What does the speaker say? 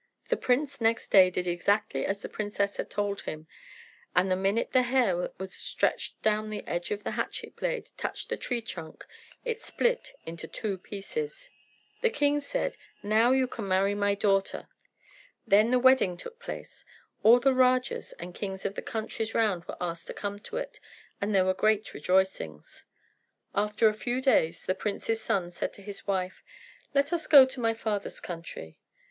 The prince next day did exactly as the princess had told him; and the minute the hair that was stretched down the edge of the hatchet blade touched the tree trunk it split into two pieces. The king said, "Now you can marry my daughter." Then the wedding took place. All the Rajas and kings of the countries round were asked to come to it, and there were great rejoicings. After a few days the prince's son said to his wife, "Let us go to my father's country."